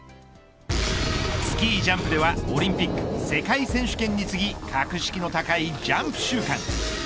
スキージャンプではオリンピック世界選手権に次ぎ格式の高いジャンプ週間。